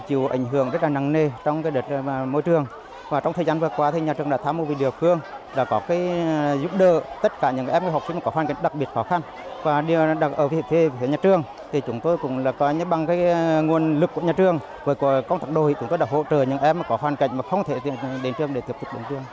với công tác đôi chúng tôi đã hỗ trợ những em có hoàn cảnh mà không thể đến trường để tiếp tục đồng chương